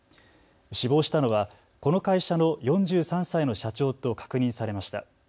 死亡したのはこの会社の４３歳の社長と確認されました。